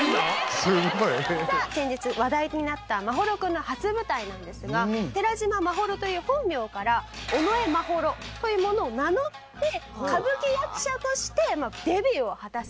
すごい。先日話題になった眞秀君の初舞台なんですが寺嶋眞秀という本名から尾上眞秀というものを名乗って歌舞伎役者としてデビューを果たす。